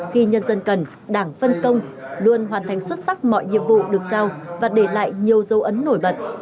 khi nhân dân cần đảng phân công luôn hoàn thành xuất sắc mọi nhiệm vụ được giao và để lại nhiều dấu ấn nổi bật